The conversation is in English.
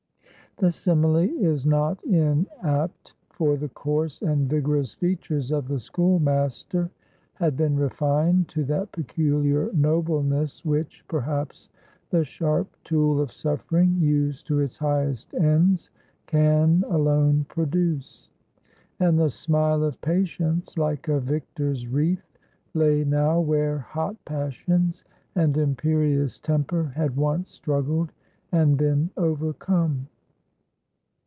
The simile is not inapt, for the coarse and vigorous features of the schoolmaster had been refined to that peculiar nobleness which, perhaps, the sharp tool of suffering—used to its highest ends—can alone produce. And the smile of patience, like a victor's wreath, lay now where hot passions and imperious temper had once struggled and been overcome.